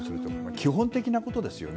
基本的なことですよね。